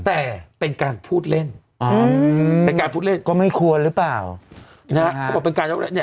แต่เป็นการพูดเล่นอ๋อเป็นการพูดเล่นก็ไม่ควรหรือเปล่านะฮะ